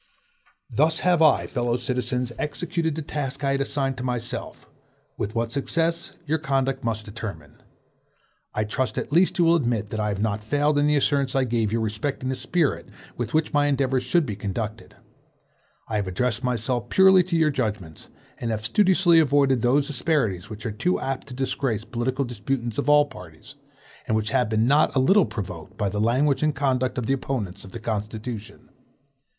Thus have I, fellow citizens, executed the task I had assigned to myself; with what success, your conduct must determine. I trust at least you will admit that I have not failed in the assurance I gave you respecting the spirit with which my endeavors should be conducted. I have addressed myself purely to your judgments, and have studiously avoided those asperities which are too apt to disgrace political disputants of all parties, and which have been not a little provoked by the language and conduct of the opponents of the Constitution.